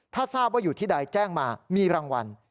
ถ้าทราบว่าอยู่ที่ใดแจ้งมามีรางวัล